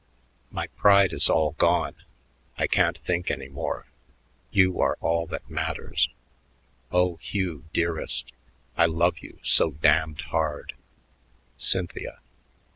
My pride is all gone. I can't think any more. You are all that matters. Oh, Hugh dearest, I love you so damned hard. CYNTHIA.